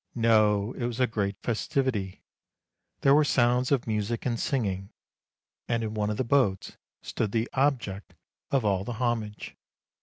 No, it was a great festivity; there were sounds of music and singing, and in one of the boats stood the object of all the homage.